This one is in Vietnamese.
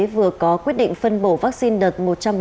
vừa có quyết định phân bổ vaccine đợt một trăm bốn mươi